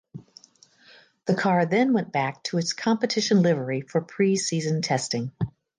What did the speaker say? The car then went back to its competition livery for pre season testing.